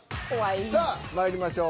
さあまいりましょう。